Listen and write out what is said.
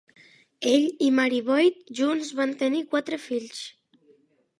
Ell i Mary Boyd junts van tenir quatre fills.